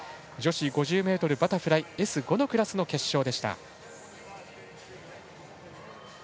女子５０ｍバタフライＳ５の決勝でした。